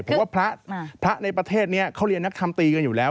ผมว่าพระในประเทศนี้เขาเรียนนักคำตีกันอยู่แล้ว